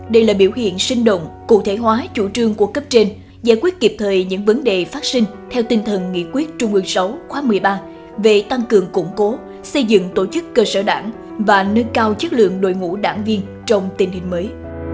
đây là biểu hiện sinh động cụ thể hóa chủ trương của cấp trên giải quyết kịp thời những vấn đề phát sinh theo tinh thần nghị quyết trung ương sáu khóa một mươi ba về tăng cường củng cố xây dựng tổ chức cơ sở đảng và nâng cao chất lượng đội ngũ đảng viên trong tình hình mới